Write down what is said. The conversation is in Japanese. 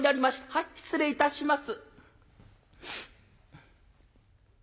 はい失礼いたします」。